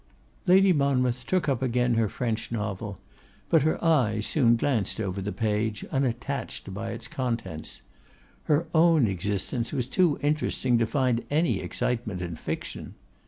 _' Lady Monmouth took up again her French novel; but her eyes soon glanced over the page, unattached by its contents. Her own existence was too interesting to find any excitement in fiction.